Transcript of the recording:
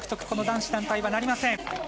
この男子団体はなりません。